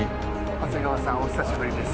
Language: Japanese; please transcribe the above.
・長谷川さんお久しぶりです。